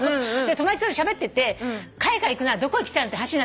友達としゃべってて海外行くならどこ行きたい？って話になって